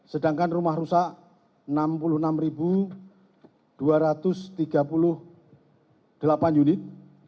sedangkan rumah rusak enam puluh enam dua ratus tiga puluh delapan unit